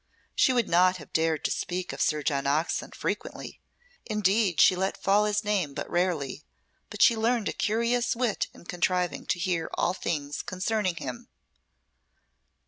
She would not have dared to speak of Sir John Oxon frequently indeed, she let fall his name but rarely; but she learned a curious wit in contriving to hear all things concerning him.